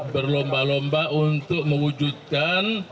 berlomba lomba untuk mewujudkan